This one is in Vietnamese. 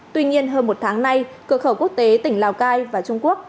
tuy nhiên hơn một tháng nay cửa khẩu quốc tế tỉnh lào cai và trung quốc